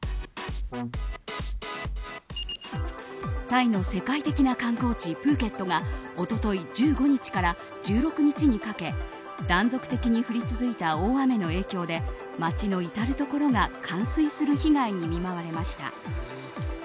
タイの世界的な観光地プーケットが一昨日１５日から１６日にかけ断続的に降り続いた大雨の影響で街の至るところが冠水する被害に見舞われました。